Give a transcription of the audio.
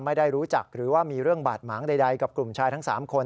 ไม่ได้รู้จักหรือว่ามีเรื่องบาดหมางใดกับกลุ่มชายทั้ง๓คน